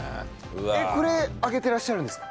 これあげてらっしゃるんですか？